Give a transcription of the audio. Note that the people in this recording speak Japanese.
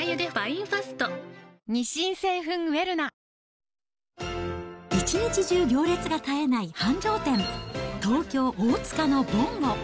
ニトリ一日中行列が絶えない繁盛店、東京・大塚のぼんご。